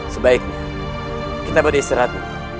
sebaiknya kita beristirahat